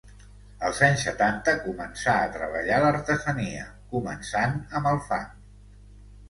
Als anys setanta, començà a treballar l'artesania, començant amb el fang.